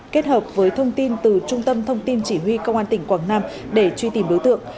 kết hợp với thông tin từ trung tâm thông tin chỉ huy công an tỉnh quảng nam để truy tìm đối tượng